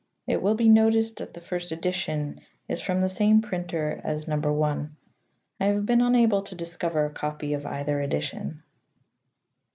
It will be noticed that the first edition is from the same printer as No. I. I have been unable to discover a copy of either edition.